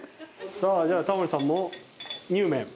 さあじゃあタモリさんもにゅうめん。